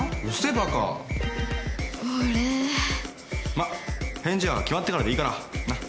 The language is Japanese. まあ返事は決まってからでいいからなっ？